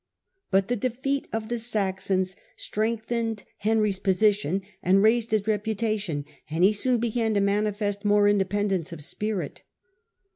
But the defeat of the Saxons strengthened Henry's position and raised his reputation, and he soon began to manifest inor6 independence of spirit.